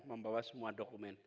membawa semua dokumen